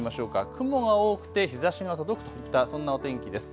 雲が多くて日ざしが届くといったそんな天気です。